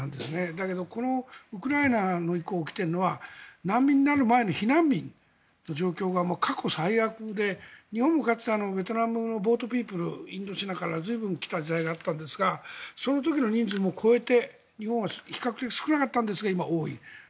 だけど、このウクライナ以降起きているのは難民になる前の避難民の状況が過去最悪で日本も、かつてベトナムのボートピープルインドシナから随分来た時代があったんですがその時の人数も超えて日本は比較的少なかったんですが今、多い。